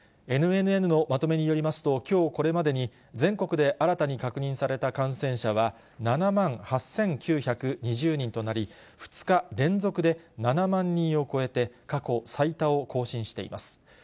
ＮＮＮのまとめによりますと、きょうこれまでに、全国で新たに確認された感染者は、７万８９２０人となり、２日連続で７万人を超えて、過去最多を更新しています。